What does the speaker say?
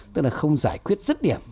tức là không giải quyết dứt điểm